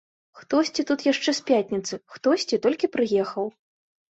Хтосьці тут яшчэ з пятніцы, хтосьці толькі прыехаў.